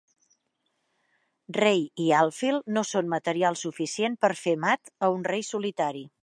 Rei i alfil no són material suficient per fer mat a un rei solitari.